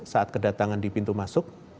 saat kedatangan di pintu masuk